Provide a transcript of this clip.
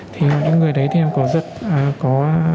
thì những người đấy thì em có giật có